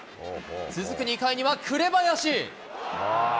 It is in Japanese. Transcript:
続く２回には紅林。